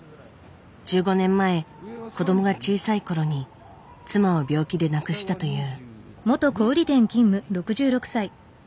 １５年前子どもが小さい頃に妻を病気で亡くしたという。